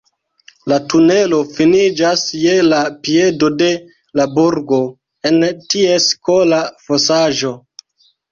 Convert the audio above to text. La tunelo finiĝas je la piedo de la burgo, en ties kola fosaĵo.